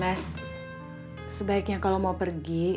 nah sebaiknya kalau mau pergi